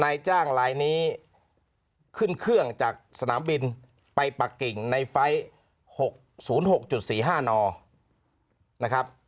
ในจ้างลายนี้ขึ้นเครื่องจากสนามบินไปปะกิ่งในไฟล์สูงหกจุดสี่ห้านอนะครับ